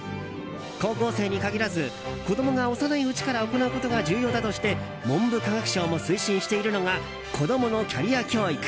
高校生に限らず子供が幼いうちから行うことが重要だとして文部科学省も推進しているのが子供のキャリア教育。